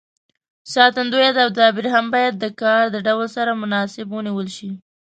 ساتندوی تدابیر هم باید د کار د ډول سره متناسب ونیول شي.